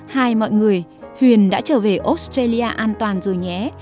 hai mọi người huyền đã trở về australia an toàn rồi nhé